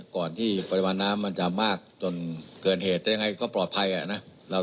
ก่อนที่ปริมาณน้ำมันจะมากจนเกินเหตุได้ยังไงก็ปลอดภัยนะ